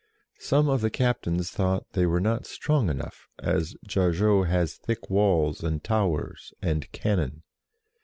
Some of the captains thought they were not strong enough, as Jargeau had thick walls and towers, and cannon.